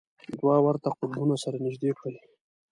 دوه ورته قطبونه سره نژدې کړئ.